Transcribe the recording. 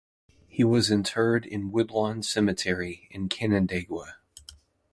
He was interred in Woodlawn Cemetery in Canandaigua.